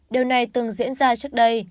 điều này từng diễn ra trước đây